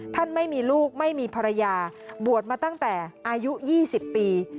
ท่านไม่มีลูกไม่มีภรรยาบวชมาตั้งแต่อายุ๒๐ปี